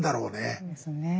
そうですね。